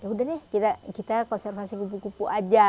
yaudah deh kita konservasi kupu kupu aja